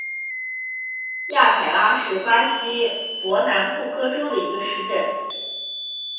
雅凯拉是巴西伯南布哥州的一个市镇。